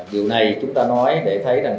điều này chúng ta nói để thấy rằng